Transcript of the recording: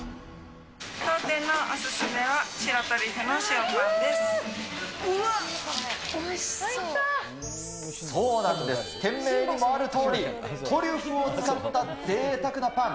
当店のお勧めは、そうなんです、店名にもあるとおり、トリュフを使ったぜいたくなパン。